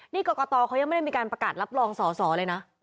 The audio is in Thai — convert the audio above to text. นี่กรกตเขายังไม่ได้มีการประกาศรับรองสอสอเลยนะ